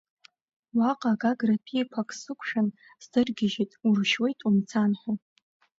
Уаҟа Гагратәиқәак сықәшәан сдыргьежьит, уршьуеит, умцан ҳәа.